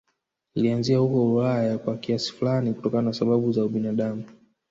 Ilianzia huko Ulaya kwa kiasi fulani kutokana na sababu za ubinadamu